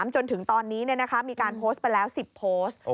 จนถึงตอนนี้มีการโพสต์ไปแล้ว๑๐โพสต์